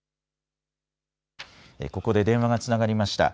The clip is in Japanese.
ここで電話がつながりました。